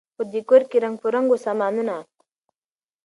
په دې کورکي رنګ په رنګ وه سامانونه